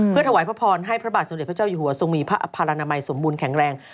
ถวายพระพรให้พระบาทสมเด็จพระเจ้าอยู่หัวทรงมีพระอภัยรณมัยสมบูรณแข็งแรง